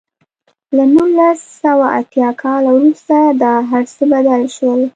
له نولس سوه اتیا کال وروسته دا هر څه بدل شول.